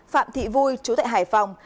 phạm thị vui chú tại hải phòng